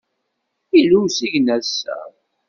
Yella usigna ass-a.